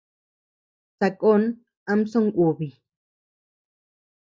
Sakon am songubi.